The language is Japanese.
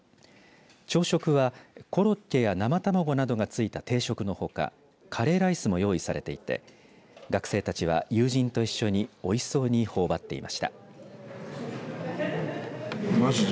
朝食は、コロッケや生卵などが付いた定食のほかカレーライスも用意されていて学生たちは友人と一緒においしそうにほおばっていました。